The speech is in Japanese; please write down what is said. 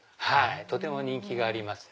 とても人気があります。